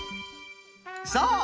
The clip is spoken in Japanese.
そう。